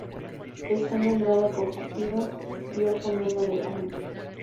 Está nombrado por Cupido, dios romano de amor.